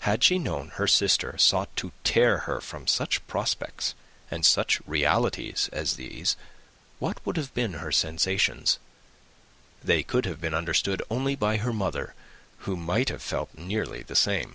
_]] Had she known that her sister sought to tear her from such prospects and such realities as these, what would have been her sensations? They could have been understood only by her mother, who might have felt nearly the same.